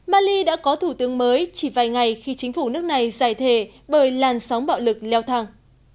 mali đã có thủ tướng mới chỉ vài ngày khi chính phủ nước này giải thể bởi làn sóng bạo lực leo thang